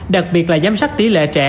đặc biệt là giám sát tỷ lệ trẻ